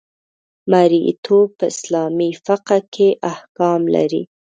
مرییتوب په اسلامي فقه کې احکام لري.